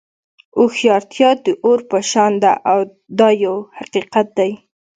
هوښیارتیا د اور په شان ده دا یو حقیقت دی.